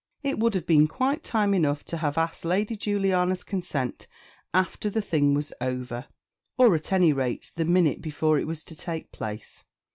It would have been quite time enough to have asked Lady Juliana's consent after the thing was over; or, at any rate, the minute before it was to take place.